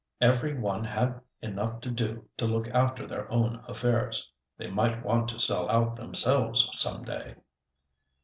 Every one had enough to do to look after their own affairs. They might want to sell out themselves some day.